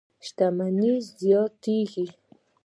شتمنۍ زیاتېږي.